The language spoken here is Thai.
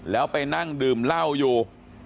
แล้วไปนั่งดื่มเหล้าอยู่